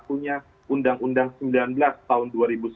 punya undang undang sembilan belas tahun dua ribu sembilan belas